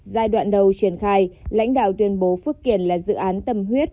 giai đoạn đầu triển khai lãnh đạo tuyên bố phước kiển là dự án tâm huyết